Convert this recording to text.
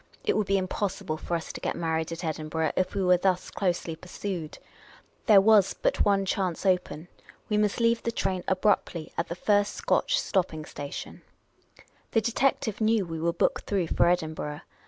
It would be impossible for us to get married at Edinburgh if we were thus closely pursued. There was but one chance open ; we nuist leave the train abruptly at the first Scotch stopping station. The Oriental Attendant 305 The detective knew we were booked through for Edin burgh.